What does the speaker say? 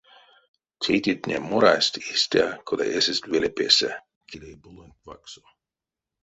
Тейтертне морасть истя, кода эсест веле песэ килейпулонть вакссо.